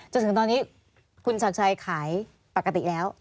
จนถึงตอนนี้คุณชัดชัยขายปกติแล้ว